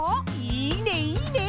いいねいいね！